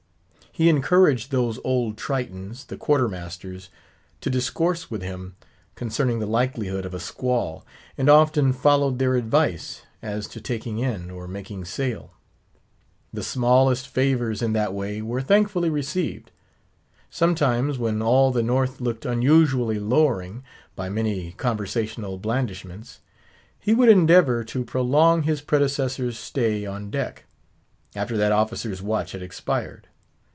He encouraged those old Tritons, the Quarter masters, to discourse with him concerning the likelihood of a squall; and often followed their advice as to taking in, or making sail. The smallest favours in that way were thankfully received. Sometimes, when all the North looked unusually lowering, by many conversational blandishments, he would endeavour to prolong his predecessor's stay on deck, after that officer's watch had expired.